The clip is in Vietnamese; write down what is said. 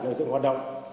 để dựng hoạt động